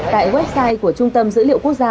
tại website của trung tâm dữ liệu quốc gia